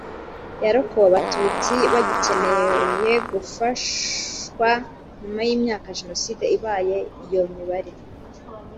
yakorewe abatutsi bagikeneye gufashwa nyuma y imyaka jenoside ibaye iyo mibare